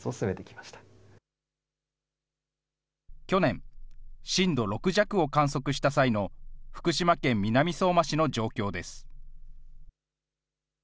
去年、震度６弱を観測した際の福島県南相馬市の状況です。